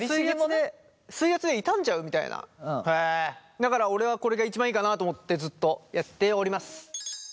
だから俺はこれが一番いいかなと思ってずっとやっております。